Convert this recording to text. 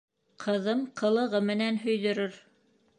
Ҡыҙым ҡылығы менән һөйҙөрөр.